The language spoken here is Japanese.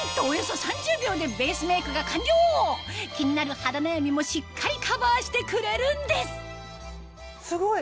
なんと気になる肌悩みもしっかりカバーしてくれるんですすごい！